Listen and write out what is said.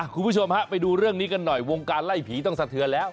คุณผู้ชมฮะไปดูเรื่องนี้กันหน่อยวงการไล่ผีต้องสะเทือนแล้ว